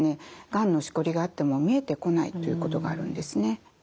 がんのしこりがあっても見えてこないということがあるんですね。